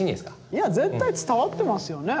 いや絶対伝わってますよね。